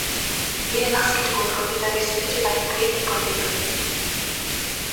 Lia naskiĝurbo liveris sufiĉe da intrigoj por libroj!